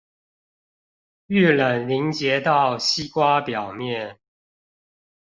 遇冷凝結到西瓜表面